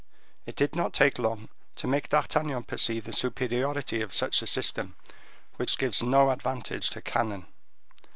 It did not take long to make D'Artagnan perceive the superiority of such a system, which gives no advantage to cannon.